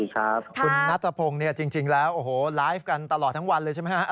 คุณนัททะพงษ์จริงแล้วไลฟ์กันตลอดทางวันเลยใช่ไหมคะ